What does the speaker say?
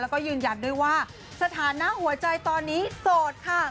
แล้วก็ยืนยันด้วยว่าสถานะหัวใจตอนนี้โสดค่ะ